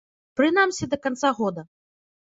Прынамсі, да канца года.